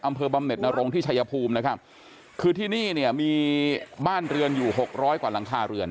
บำเน็ตนรงที่ชายภูมินะครับคือที่นี่เนี่ยมีบ้านเรือนอยู่หกร้อยกว่าหลังคาเรือน